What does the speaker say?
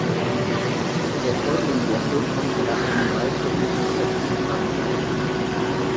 In der folgenden Woche konnte er eine weitere Interception fangen.